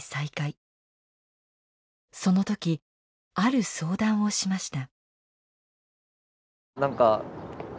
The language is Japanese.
その時ある相談をしました。